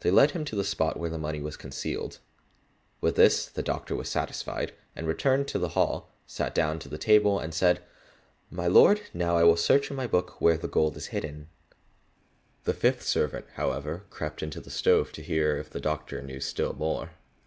They led him to the spot where the money was concealed. With this the doctor was satisfied, and returned to the hall, sat down to the table, and said, "My lord, now will I search in my book where the gold is hidden." The fifth servant, however, crept into the stove to hear if the doctor knew still more.